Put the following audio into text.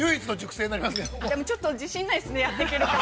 ◆ちょっと自信がないですね、やっていけるか。